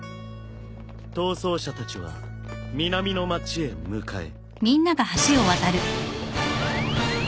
逃走者たちは南の街へ向かえ。